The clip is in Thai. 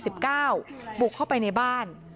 บุกเข้าไปในบ้าน